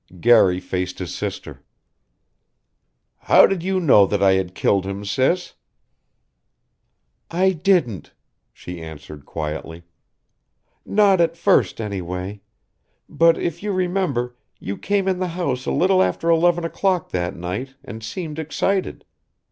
Garry faced his sister. "How did you know that I had killed him, Sis?" "I didn't," she answered quietly. "Not at first, anyway. But, if you remember, you came in the house a little after eleven o'clock that night and seemed excited.